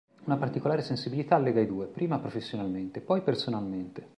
Una particolare sensibilità lega i due, prima professionalmente, poi personalmente.